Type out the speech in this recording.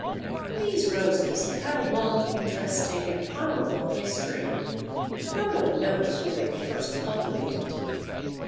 These Roses have had a long, interesting, and honourable history. No one knows when they were first cultivated.